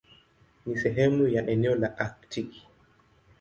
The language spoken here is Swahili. Ni sehemu ya eneo la Aktiki.